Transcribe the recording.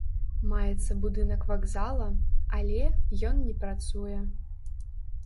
Маецца будынак вакзала, але ён не працуе.